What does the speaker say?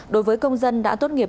đối với công dân đã tốt nghiệp